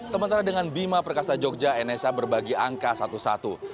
sementara dengan bima perkasa jogja nsa berbagi angka satu satu